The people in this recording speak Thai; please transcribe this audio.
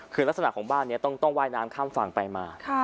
คือลักษณะของบ้านนี้ต้องว่ายน้ำข้ามฝั่งไปมา